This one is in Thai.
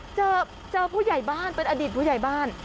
เจอมีพูดใหญ่บ้านเป็นอดิษฐ์ภูมิใหญ่บ้าน